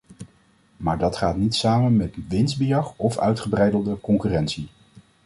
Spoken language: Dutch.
Maar dat gaat niet samen met winstbejag of ongebreidelde concurrentie.